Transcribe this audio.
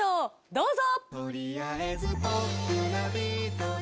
どうぞ！